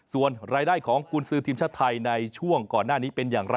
ส่วนรายได้ของกุญสือทีมชาติไทยในช่วงก่อนหน้านี้เป็นอย่างไร